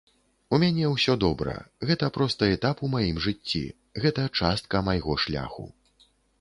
У мяне ўсё добра, гэта проста этап у маім жыцці, гэта частка майго шляху.